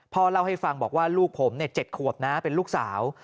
พ่อเล่าให้ฟังบอกว่าลูกผม๗ขวบนะเป็นลูกสาว